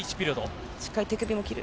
しっかり手首も切る。